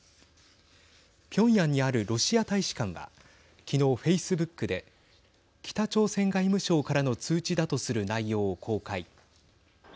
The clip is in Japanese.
ピョンヤンにあるロシア大使館は昨日、フェイスブックで北朝鮮外務省からの通知だとする内容を公開。